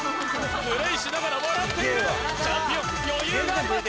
プレーしながら笑っているチャンピオン余裕があります